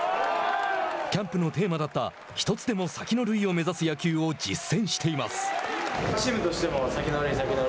キャンプのテーマだった１つでも先の塁を目指す野球を実践しています。